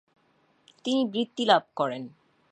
তিনি বৃত্তি লাভ করেন।